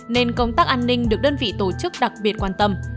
nên công tác an ninh được đơn vị tổ chức đặc biệt quan tâm